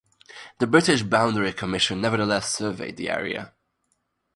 The British boundary commission nevertheless surveyed the area.